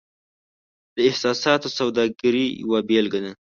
دا د احساساتو سوداګرۍ یوه بیلګه ده.